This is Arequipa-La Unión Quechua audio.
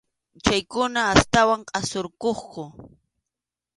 Chaykuna astawan qhasurquqku.